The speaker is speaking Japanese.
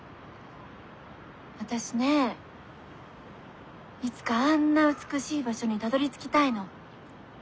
私ねいつかあんな美しい場所にたどりつきたいの。